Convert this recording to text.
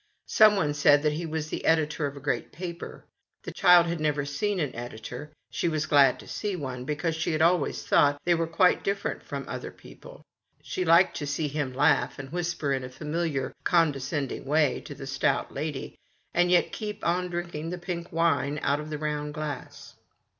Someone said that he was the editor of a great paper. The child had never seen an editor ; she was glad to see one, because she had always thought they were quite different from other people. She liked to see him \ laugh, and whisper in a familiar, condescend ing way to the stout lady, and yet keep on drinking the pink wine out of the round glass.